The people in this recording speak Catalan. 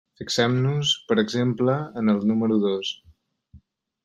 Fixem-nos, per exemple, en el número dos.